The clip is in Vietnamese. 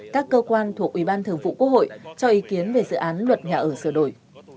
các cơ quan thuộc ủy ban thường vụ quốc hội cho ý kiến về dự án luật nhà ở sửa đổi